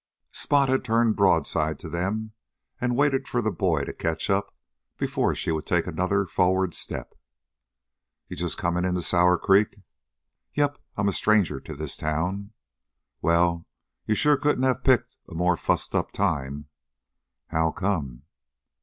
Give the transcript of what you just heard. Spot had turned broadside to them and waited for the boy to catch up before she would take another forward step. "You just coming in to Sour Creek?" "Yep, I'm strange to this town." "Well, you sure couldn't have picked a more fussed up time." "How come?"